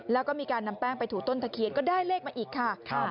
แล้วก็มีการนำแป้งไปถูต้นตะเคียนก็ได้เลขมาอีกค่ะ